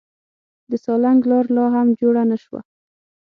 د سالنګ لار لا هم جوړه نه شوه.